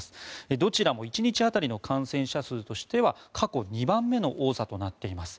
どちらも１日当たりの感染者数としては過去２番目の多さとなっています。